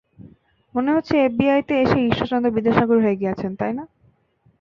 মনে হচ্ছে এফবিআই তে এসে ঈশ্বরচন্দ্র বিদ্যাসাগর হয়ে গিয়েছেন, তাই না?